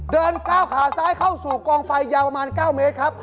เดินก้าวขาซ้ายเข้าสู่กองไฟยาวประมาณ๙เมตรครับ